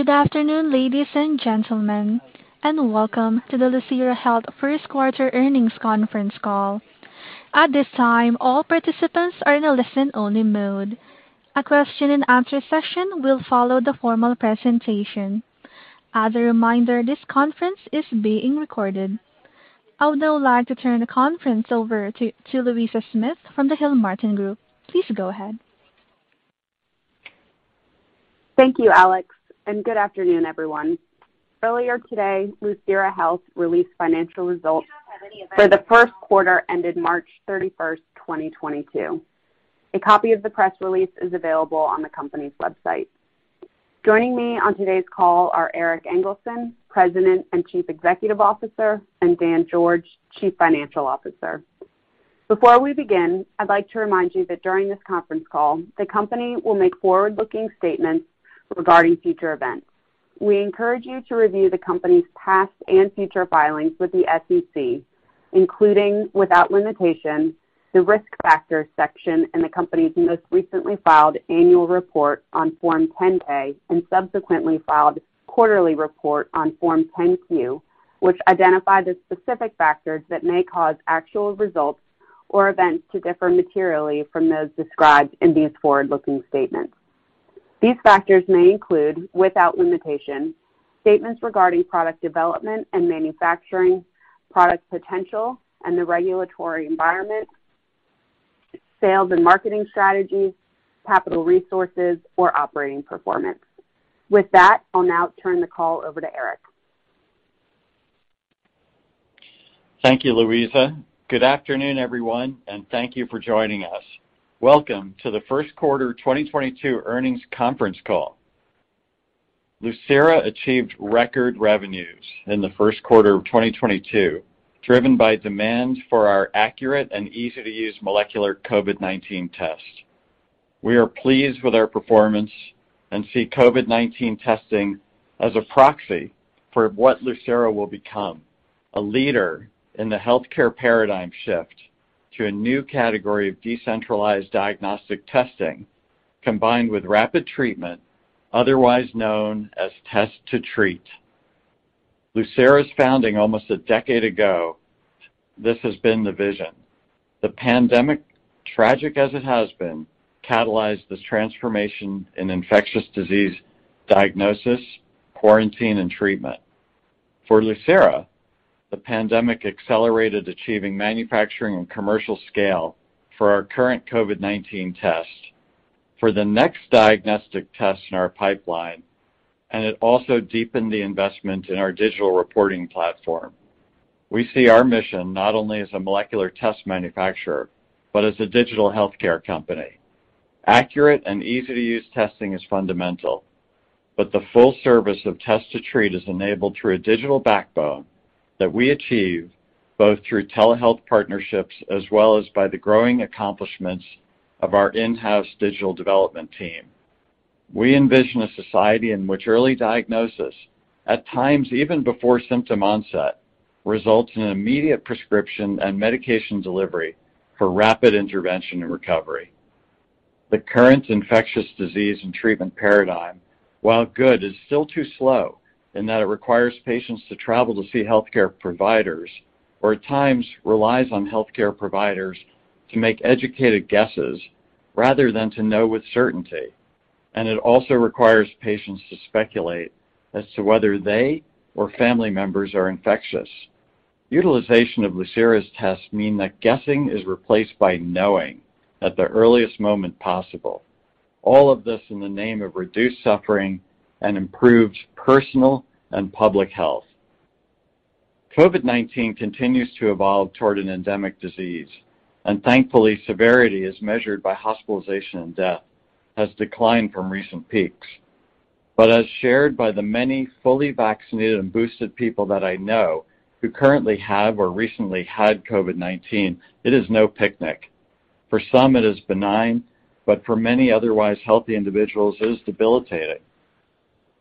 Good afternoon, ladies and gentlemen, and welcome to the Lucira Health First Quarter Earnings Conference Call. At this time, all participants are in a listen-only mode. A question and answer session will follow the formal presentation. As a reminder, this conference is being recorded. I would now like to turn the conference over to Louisa Smith from the Gilmartin Group. Please go ahead. Thank you, Alex, and good afternoon, everyone. Earlier today, Lucira Health released financial results. You have any events? For the first quarter ended March 31, 2022. A copy of the press release is available on the company's website. Joining me on today's call are Erik Engelson, President and Chief Executive Officer, and Dan George, Chief Financial Officer. Before we begin, I'd like to remind you that during this conference call, the company will make forward-looking statements regarding future events. We encourage you to review the company's past and future filings with the SEC, including, without limitation, the Risk Factors section in the company's most recently filed annual report on Form 10-K and subsequently filed quarterly report on Form 10-Q, which identify the specific factors that may cause actual results or events to differ materially from those described in these forward-looking statements. These factors may include, without limitation, statements regarding product development and manufacturing, product potential and the regulatory environment, sales and marketing strategies, capital resources, or operating performance. With that, I'll now turn the call over to Erik. Thank you, Louisa. Good afternoon, everyone, and thank you for joining us. Welcome to the first quarter 2022 earnings conference call. Lucira achieved record revenues in the first quarter of 2022, driven by demand for our accurate and easy-to-use molecular COVID-19 test. We are pleased with our performance and see COVID-19 testing as a proxy for what Lucira will become: a leader in the healthcare paradigm shift to a new category of decentralized diagnostic testing combined with rapid treatment, otherwise known as test to treat. Lucira's founding almost a decade ago, this has been the vision. The pandemic, tragic as it has been, catalyzed this transformation in infectious disease diagnosis, quarantine, and treatment. For Lucira, the pandemic accelerated achieving manufacturing and commercial scale for our current COVID-19 test for the next diagnostic test in our pipeline, and it also deepened the investment in our digital reporting platform. We see our mission not only as a molecular test manufacturer, but as a digital healthcare company. Accurate and easy-to-use testing is fundamental, but the full service of test to treat is enabled through a digital backbone that we achieve both through telehealth partnerships as well as by the growing accomplishments of our in-house digital development team. We envision a society in which early diagnosis, at times even before symptom onset, results in an immediate prescription and medication delivery for rapid intervention and recovery. The current infectious disease and treatment paradigm, while good, is still too slow in that it requires patients to travel to see healthcare providers or at times relies on healthcare providers to make educated guesses rather than to know with certainty. It also requires patients to speculate as to whether they or family members are infectious. Utilization of Lucira's tests mean that guessing is replaced by knowing at the earliest moment possible. All of this in the name of reduced suffering and improved personal and public health. COVID-19 continues to evolve toward an endemic disease, and thankfully, severity is measured by hospitalization and death, has declined from recent peaks. As shared by the many fully vaccinated and boosted people that I know who currently have or recently had COVID-19, it is no picnic. For some it is benign, but for many otherwise healthy individuals, it is debilitating.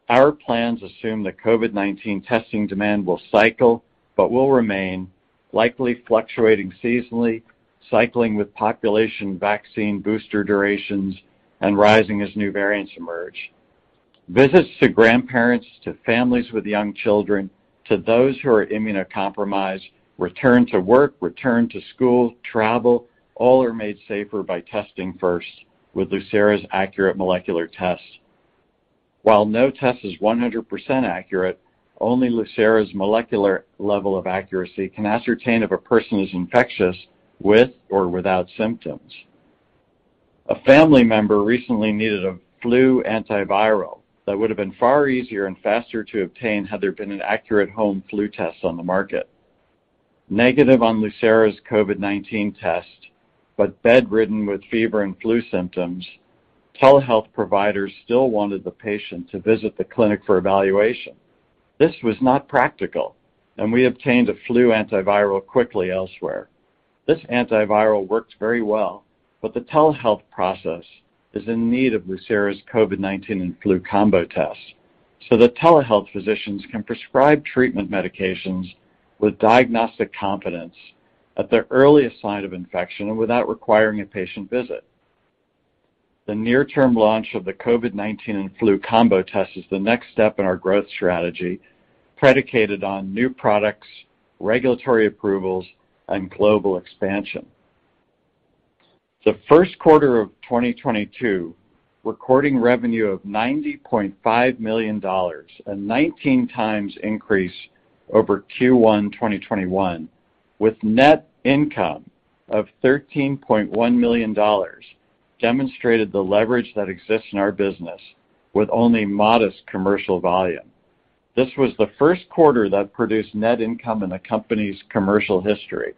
Our plans assume that COVID-19 testing demand will cycle but will remain, likely fluctuating seasonally, cycling with population vaccine booster durations, and rising as new variants emerge. Visits to grandparents, to families with young children, to those who are immunocompromised, return to work, return to school, travel, all are made safer by testing first with Lucira's accurate molecular tests. While no test is 100% accurate, only Lucira's molecular level of accuracy can ascertain if a person is infectious with or without symptoms. A family member recently needed a flu antiviral that would have been far easier and faster to obtain had there been an accurate home flu test on the market. Negative on Lucira's COVID-19 test, but bedridden with fever and flu symptoms, telehealth providers still wanted the patient to visit the clinic for evaluation. This was not practical, and we obtained a flu antiviral quickly elsewhere. This antiviral works very well, but the telehealth process is in need of Lucira's COVID-19 and flu combo test so that telehealth physicians can prescribe treatment medications with diagnostic confidence at the earliest sign of infection and without requiring a patient visit. The near-term launch of the COVID-19 and flu combo test is the next step in our growth strategy, predicated on new products, regulatory approvals, and global expansion. The first quarter of 2022, recording revenue of $90.5 million, a 19 times increase over Q1 2021, with net income of $13.1 million, demonstrated the leverage that exists in our business with only modest commercial volume. This was the first quarter that produced net income in the company's commercial history.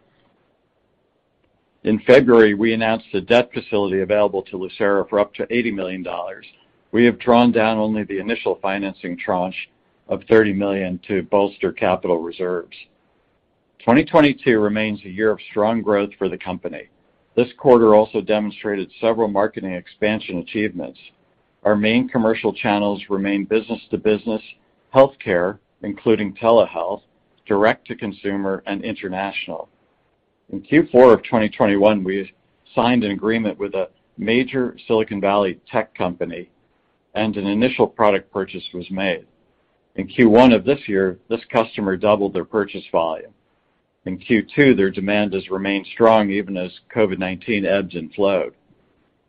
In February, we announced a debt facility available to Lucira for up to $80 million. We have drawn down only the initial financing tranche of $30 million to bolster capital reserves. 2022 remains a year of strong growth for the company. This quarter also demonstrated several marketing expansion achievements. Our main commercial channels remain business-to-business, healthcare, including telehealth, direct-to-consumer, and international. In Q4 of 2021, we signed an agreement with a major Silicon Valley tech company, and an initial product purchase was made. In Q1 of this year, this customer doubled their purchase volume. In Q2, their demand has remained strong even as COVID-19 ebbs and flowed.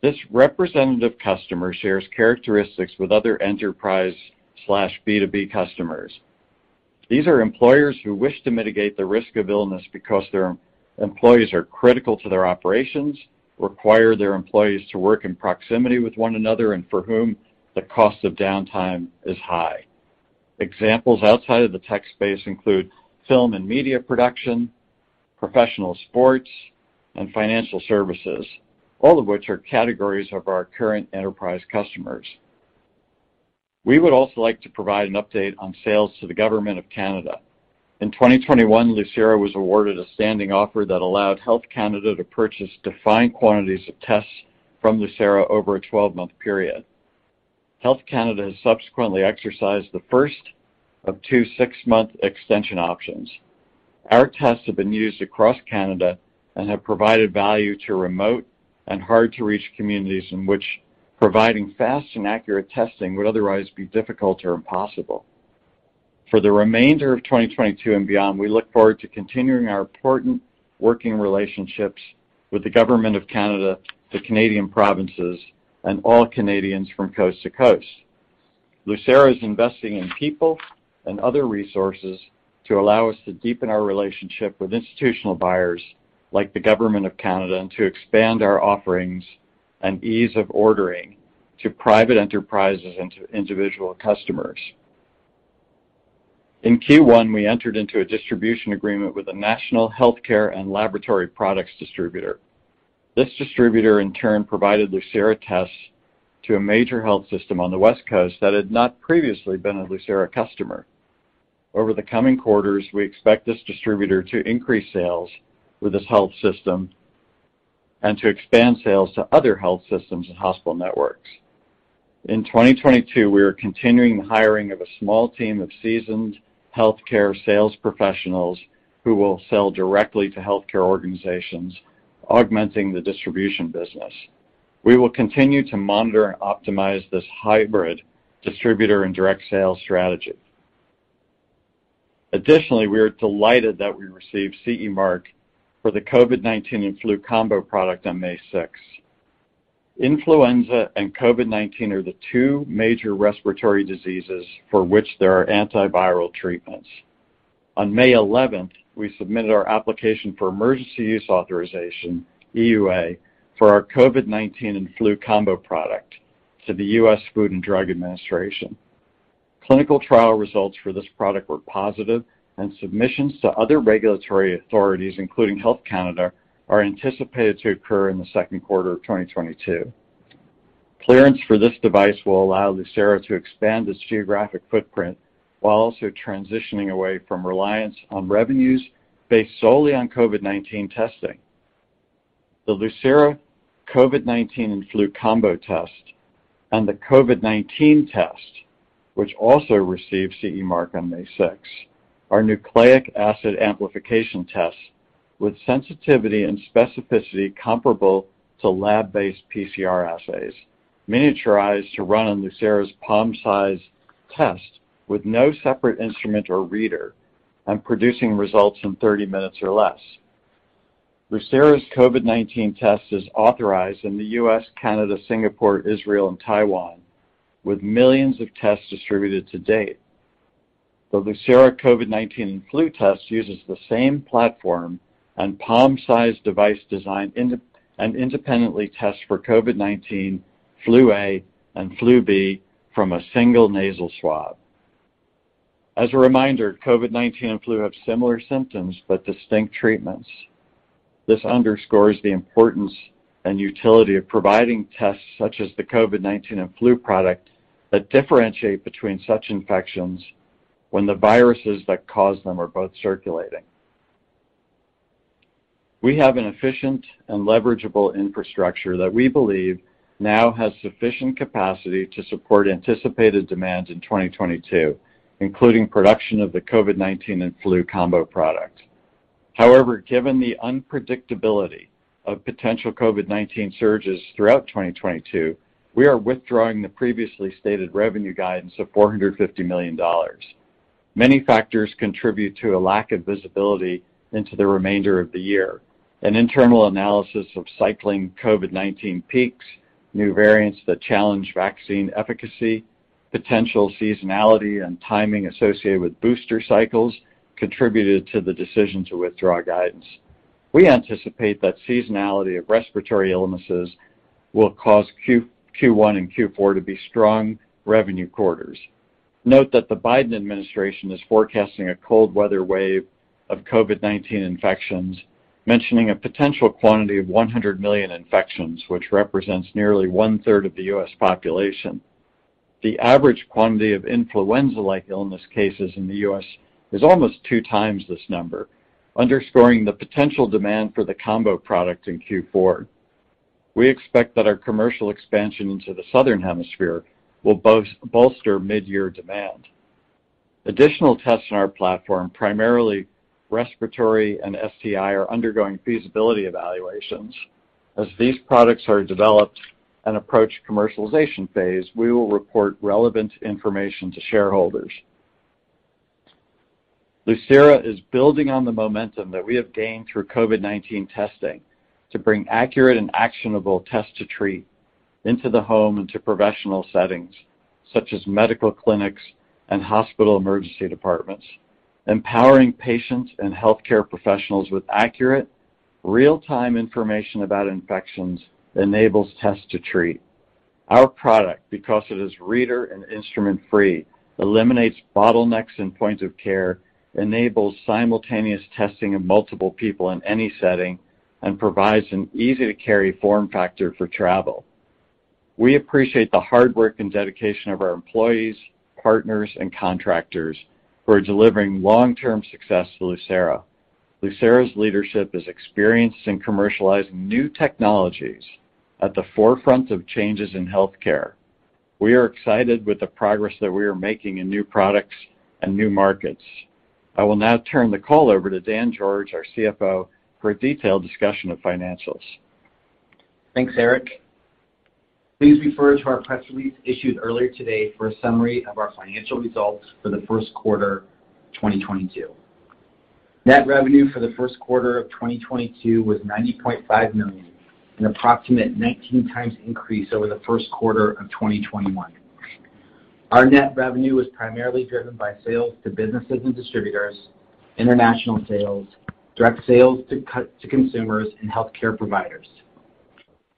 This representative customer shares characteristics with other enterprise/B2B customers. These are employers who wish to mitigate the risk of illness because their employees are critical to their operations, require their employees to work in proximity with one another, and for whom the cost of downtime is high. Examples outside of the tech space include film and media production, professional sports, and financial services, all of which are categories of our current enterprise customers. We would also like to provide an update on sales to the Government of Canada. In 2021, Lucira was awarded a standing offer that allowed Health Canada to purchase defined quantities of tests from Lucira over a 12-month period. Health Canada has subsequently exercised the first of two six-month extension options. Our tests have been used across Canada and have provided value to remote and hard-to-reach communities in which providing fast and accurate testing would otherwise be difficult or impossible. For the remainder of 2022 and beyond, we look forward to continuing our important working relationships with the Government of Canada, the Canadian provinces, and all Canadians from coast to coast. Lucira is investing in people and other resources to allow us to deepen our relationship with institutional buyers like the Government of Canada and to expand our offerings and ease of ordering to private enterprises and to individual customers. In Q1, we entered into a distribution agreement with a national healthcare and laboratory products distributor. This distributor, in turn, provided Lucira tests to a major health system on the West Coast that had not previously been a Lucira customer. Over the coming quarters, we expect this distributor to increase sales with this health system and to expand sales to other health systems and hospital networks. In 2022, we are continuing the hiring of a small team of seasoned healthcare sales professionals who will sell directly to healthcare organizations, augmenting the distribution business. We will continue to monitor and optimize this hybrid distributor and direct sales strategy. Additionally, we are delighted that we received CE Mark for the COVID-19 and flu combo product on May sixth. Influenza and COVID-19 are the two major respiratory diseases for which there are antiviral treatments. On May eleventh, we submitted our application for emergency use authorization, EUA, for our COVID-19 and flu combo product to the US Food and Drug Administration. Clinical trial results for this product were positive, and submissions to other regulatory authorities, including Health Canada, are anticipated to occur in the second quarter of 2022. Clearance for this device will allow Lucira to expand its geographic footprint while also transitioning away from reliance on revenues based solely on COVID-19 testing. The Lucira COVID-19 and flu combo test and the COVID-19 test, which also received CE Mark on May sixth, are nucleic acid amplification tests with sensitivity and specificity comparable to lab-based PCR assays, miniaturized to run on Lucira's palm-sized test with no separate instrument or reader, and producing results in 30 minutes or less. Lucira's COVID-19 test is authorized in the US, Canada, Singapore, Israel, and Taiwan, with millions of tests distributed to date. The Lucira COVID-19 and flu test uses the same platform and palm-sized device design independently tests for COVID-19, flu A, and flu B from a single nasal swab. As a reminder, COVID-19 and flu have similar symptoms but distinct treatments. This underscores the importance and utility of providing tests such as the COVID-19 and flu product that differentiate between such infections when the viruses that cause them are both circulating. We have an efficient and leverageable infrastructure that we believe now has sufficient capacity to support anticipated demand in 2022, including production of the COVID-19 and flu combo product. However, given the unpredictability of potential COVID-19 surges throughout 2022, we are withdrawing the previously stated revenue guidance of $450 million. Many factors contribute to a lack of visibility into the remainder of the year. An internal analysis of cycling COVID-19 peaks, new variants that challenge vaccine efficacy, potential seasonality and timing associated with booster cycles contributed to the decision to withdraw guidance. We anticipate that seasonality of respiratory illnesses will cause Q1 and Q4 to be strong revenue quarters. Note that the Biden administration is forecasting a cold weather wave of COVID-19 infections, mentioning a potential quantity of 100 million infections, which represents nearly one-third of the US population. The average quantity of influenza-like illness cases in the U.S. is almost two times this number, underscoring the potential demand for the combo product in Q4. We expect that our commercial expansion into the Southern Hemisphere will bolster mid-year demand. Additional tests in our platform, primarily respiratory and STI, are undergoing feasibility evaluations. As these products are developed and approach commercialization phase, we will report relevant information to shareholders. Lucira is building on the momentum that we have gained through COVID-19 testing to bring accurate and actionable test to treat into the home and to professional settings such as medical clinics and hospital emergency departments. Empowering patients and healthcare professionals with accurate real-time information about infections enables test to treat. Our product, because it is reader and instrument-free, eliminates bottlenecks in point of care, enables simultaneous testing of multiple people in any setting, and provides an easy-to-carry form factor for travel. We appreciate the hard work and dedication of our employees, partners, and contractors who are delivering long-term success to Lucira. Lucira's leadership is experienced in commercializing new technologies at the forefront of changes in healthcare. We are excited with the progress that we are making in new products and new markets. I will now turn the call over to Dan George, our CFO, for a detailed discussion of financials. Thanks, Erik. Please refer to our press release issued earlier today for a summary of our financial results for the first quarter 2022. Net revenue for the first quarter of 2022 was $90.5 million, an approximate 19 times increase over the first quarter of 2021. Our net revenue was primarily driven by sales to businesses and distributors, international sales, direct sales to consumers, and healthcare providers.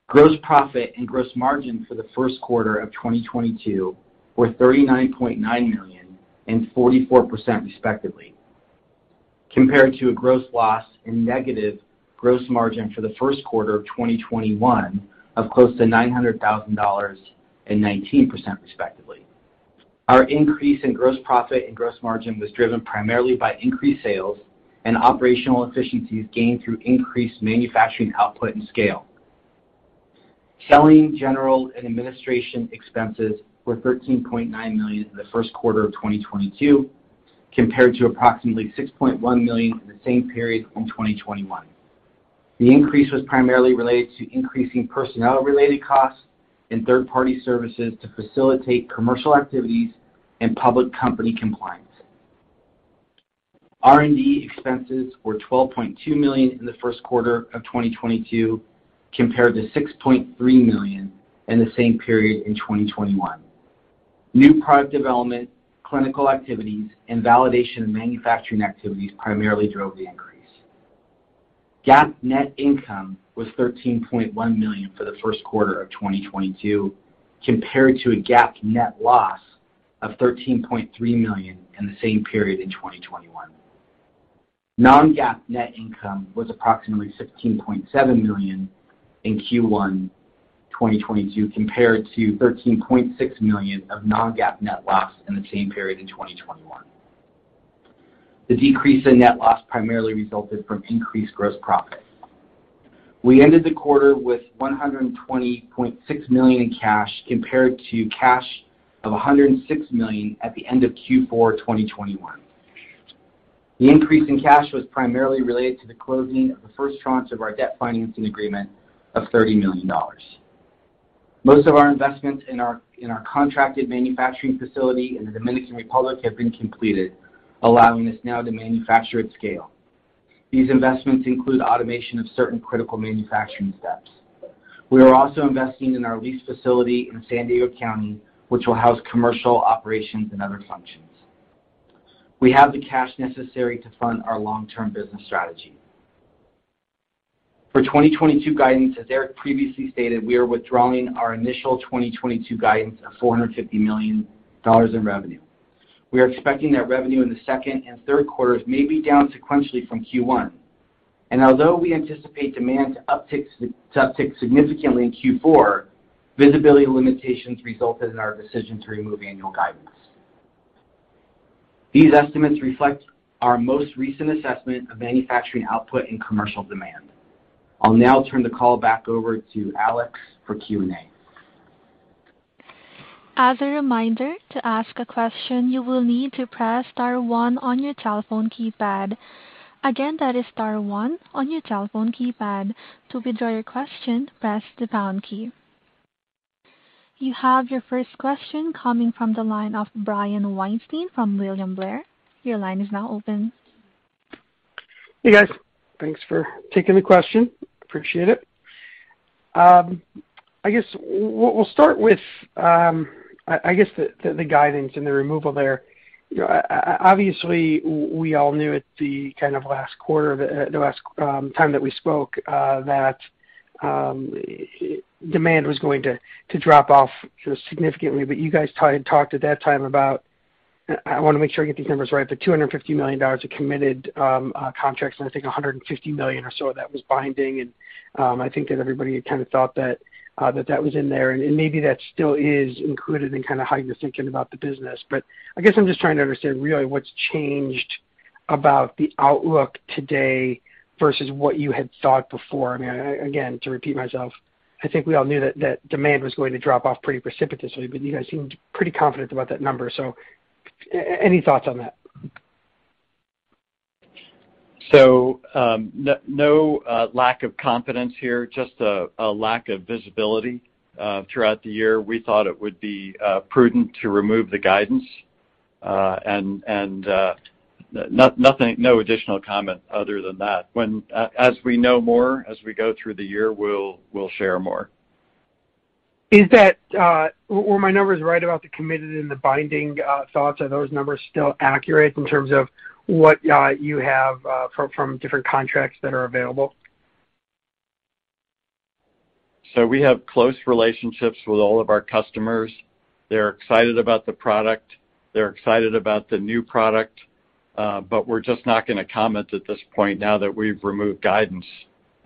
Gross profit and gross margin for the first quarter of 2022 were $39.9 million and 44% respectively, compared to a gross loss and negative gross margin for the first quarter of 2021 of close to $900,000 and 19% respectively. Our increase in gross profit and gross margin was driven primarily by increased sales and operational efficiencies gained through increased manufacturing output and scale. Selling, general, and administration expenses were $13.9 million in the first quarter of 2022, compared to approximately $6.1 million in the same period in 2021. The increase was primarily related to increasing personnel-related costs and third-party services to facilitate commercial activities and public company compliance. R&D expenses were $12.2 million in the first quarter of 2022, compared to $6.3 million in the same period in 2021. New product development, clinical activities, and validation and manufacturing activities primarily drove the increase. GAAP net income was $13.1 million for the first quarter of 2022, compared to a GAAP net loss of $13.3 million in the same period in 2021. Non-GAAP net income was approximately $15.7 million in Q1 2022, compared to $13.6 million of non-GAAP net loss in the same period in 2021. The decrease in net loss primarily resulted from increased gross profit. We ended the quarter with $120.6 million in cash, compared to cash of $106 million at the end of Q4 2021. The increase in cash was primarily related to the closing of the first tranche of our debt financing agreement of $30 million. Most of our investments in our contracted manufacturing facility in the Dominican Republic have been completed, allowing us now to manufacture at scale. These investments include automation of certain critical manufacturing steps. We are also investing in our leased facility in San Diego County, which will house commercial operations and other functions. We have the cash necessary to fund our long-term business strategy. For 2022 guidance, as Erik previously stated, we are withdrawing our initial 2022 guidance of $450 million in revenue. We are expecting that revenue in the second and third quarters may be down sequentially from Q1. Although we anticipate demand to uptick significantly in Q4, visibility limitations resulted in our decision to remove annual guidance. These estimates reflect our most recent assessment of manufacturing output and commercial demand. I'll now turn the call back over to Alex for Q&A. As a reminder, to ask a question, you will need to press star one on your telephone keypad. Again, that is star one on your telephone keypad. To withdraw your question, press the pound key. You have your first question coming from the line of Brian Weinstein from William Blair. Your line is now open. Hey, guys. Thanks for taking the question. Appreciate it. I guess we'll start with I guess the guidance and the removal there. You know, obviously, we all knew at the kind of last quarter of the last time that we spoke, that demand was going to drop off significantly. You guys kind of talked at that time about, I want to make sure I get these numbers right, $250 million of committed contracts, and I think $150 million or so of that was binding. I think that everybody had kind of thought that that was in there, and maybe that still is included in kind of how you're thinking about the business. I guess I'm just trying to understand really what's changed about the outlook today versus what you had thought before. I mean, again, to repeat myself, I think we all knew that that demand was going to drop off pretty precipitously, but you guys seemed pretty confident about that number. Any thoughts on that? So, no lack of confidence here, just a lack of visibility. Throughout the year, we thought it would be prudent to remove the guidance, and nothing, no additional comment other than that. As we know more, as we go through the year, we'll share more. Were my numbers right about the committed and the binding thoughts? Are those numbers still accurate in terms of what you have from different contracts that are available? We have close relationships with all of our customers. They're excited about the product. They're excited about the new product. We're just not gonna comment at this point now that we've removed guidance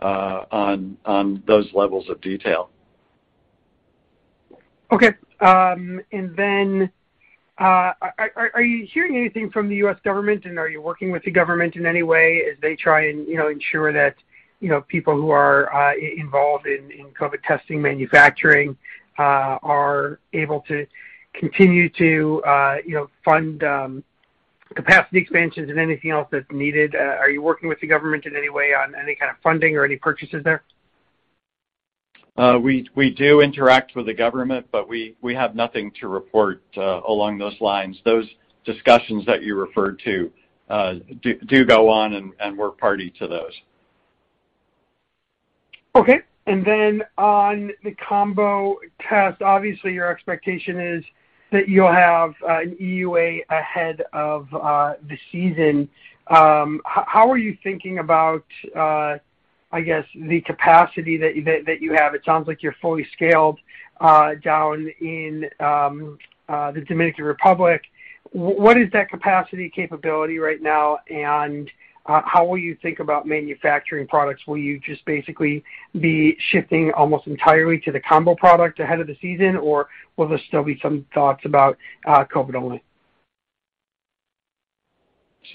on those levels of detail. Okay. And then, are you hearing anything from the US government, and are you working with the government in any way as they try and, you know, ensure that, you know, people who are involved in COVID testing manufacturing are able to continue to, you know, fund capacity expansions and anything else that's needed? Are you working with the government in any way on any kind of funding or any purchases there? We do interact with the government, but we have nothing to report along those lines. Those discussions that you referred to do go on, and we're party to those. Okay. And then, on the combo test, obviously your expectation is that you'll have an EUA ahead of the season. How are you thinking about, I guess the capacity that you have? It sounds like you're fully scaled down in the Dominican Republic. What is that capacity capability right now, and how will you think about manufacturing products? Will you just basically be shifting almost entirely to the combo product ahead of the season, or will there still be some thoughts about COVID only?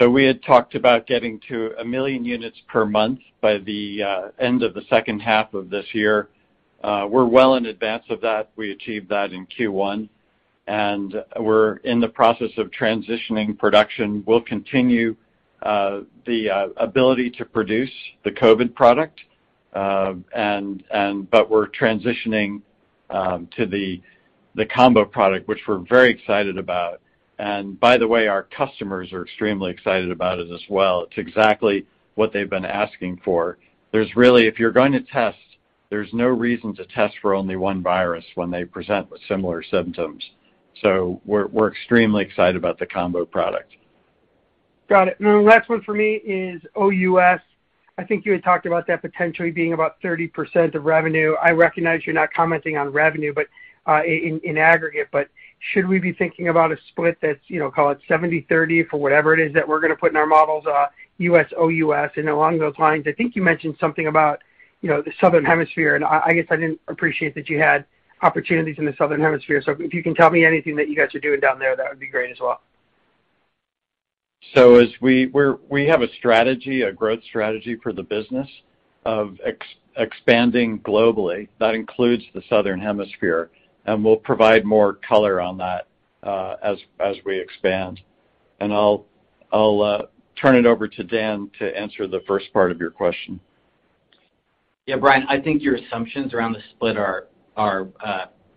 We had talked about getting to a million units per month by the end of the second half of this year. We're well in advance of that. We achieved that in Q1, and we're in the process of transitioning production. We'll continue the ability to produce the COVID product, but we're transitioning to the combo product, which we're very excited about. By the way, our customers are extremely excited about it as well. It's exactly what they've been asking for. If you're going to test, there's no reason to test for only one virus when they present with similar symptoms. We're extremely excited about the combo product. Got it. Last one for me is OUS. I think you had talked about that potentially being about 30% of revenue. I recognize you're not commenting on revenue, but in aggregate, but should we be thinking about a split that's, you know, call it 70/30 for whatever it is that we're gonna put in our models, US, OUS? Along those lines, I think you mentioned something about, you know, the Southern Hemisphere, and I guess I didn't appreciate that you had opportunities in the Southern Hemisphere. If you can tell me anything that you guys are doing down there, that would be great as well. We have a strategy, a growth strategy for the business of expanding globally that includes the Southern Hemisphere, and we'll provide more color on that as we expand. I'll turn it over to Dan to answer the first part of your question. Yeah, Brian, I think your assumptions around the split are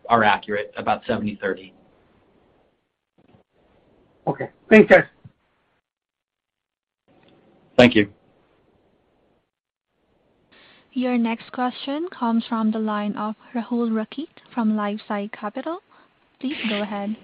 accurate, about 70/30. Okay. Thanks, guys. Thank you. Your next question comes from the line of Rahul Rakhit from LifeSci Capital. Please go ahead.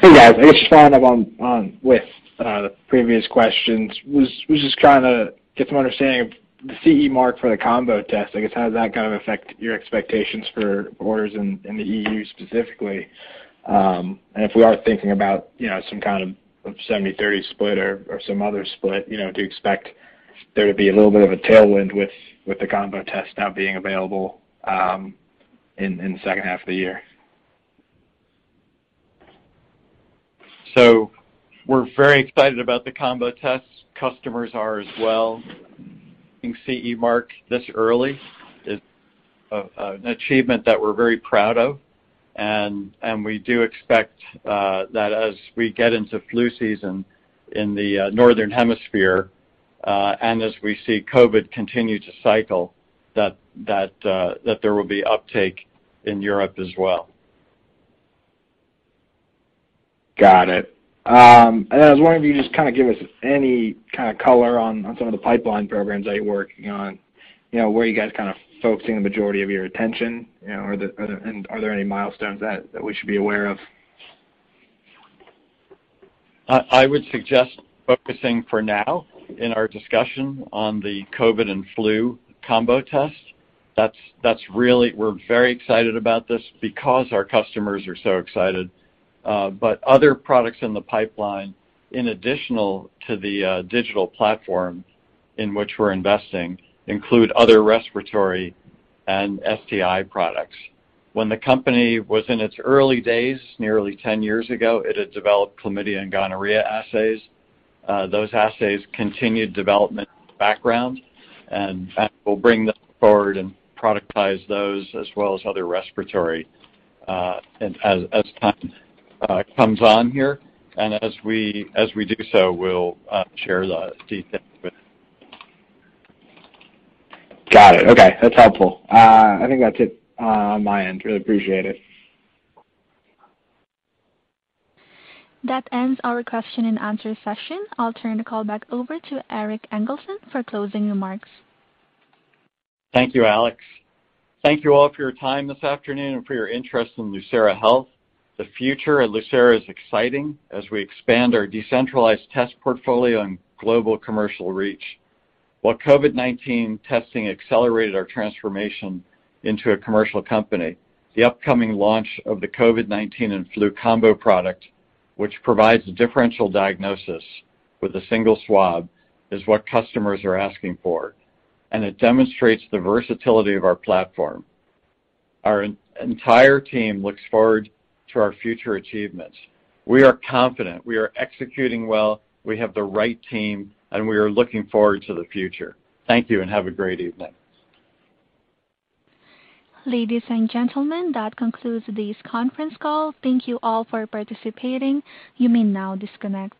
Hey, guys. I guess just following up with the previous questions. I was just trying to get some understanding of the CE Mark for the combo test. I guess how does that kind of affect your expectations for orders in the EU specifically? If we are thinking about you know some kind of 70/30 split or some other split, you know do you expect there to be a little bit of a tailwind with the combo test now being available in the second half of the year? So, we're very excited about the combo test. Customers are as well. In CE Mark this early is an achievement that we're very proud of, and we do expect that as we get into flu season in the Northern Hemisphere, and as we see COVID continue to cycle, that there will be uptake in Europe as well. Got it. I was wondering if you could just kinda give us any kinda color on some of the pipeline programs that you're working on. You know, where are you guys kinda focusing the majority of your attention? You know, are there any milestones that we should be aware of? I would suggest focusing for now in our discussion on the COVID and flu combo test. That's really. We're very excited about this because our customers are so excited. Other products in the pipeline, in addition to the digital platform in which we're investing, include other respiratory and STI products. When the company was in its early days, nearly 10 years ago, it had developed chlamydia and gonorrhea assays. Those assays continued development in the background, and that will bring them forward and productize those as well as other respiratory, as time comes on here. As we do so, we'll share the details with. Got it. Okay, that's helpful. I think that's it on my end. Really appreciate it. That ends our question and answer session. I'll turn the call back over to Erik Engelson for closing remarks. Thank you, Alex. Thank you all for your time this afternoon and for your interest in Lucira Health. The future at Lucira is exciting as we expand our decentralized test portfolio and global commercial reach. While COVID-19 testing accelerated our transformation into a commercial company, the upcoming launch of the COVID-19 and flu combo product, which provides a differential diagnosis with a single swab, is what customers are asking for, and it demonstrates the versatility of our platform. Our entire team looks forward to our future achievements. We are confident, we are executing well, we have the right team, and we are looking forward to the future. Thank you, and have a great evening. Ladies and gentlemen, that concludes this conference call. Thank you all for participating. You may now disconnect.